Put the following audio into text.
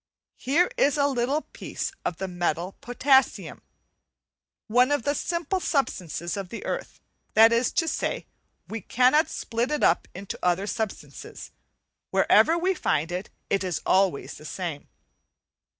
Here is a little piece of the metal potassium, one of the simple substances of the earth; that is to say, we cannot split it up into other substances, wherever we find it, it is always the same.